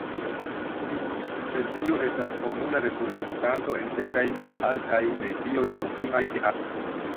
Tiu specio estas komuna reproduktanto en sekaj malaltaj medioj proksimaj de akvo.